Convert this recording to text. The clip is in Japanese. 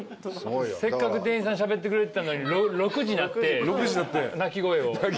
せっかく店員さんしゃべってくれてたのに６時になって鳴き声を。